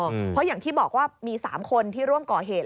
เพราะอย่างที่บอกว่ามี๓คนที่ร่วมก่อเหตุ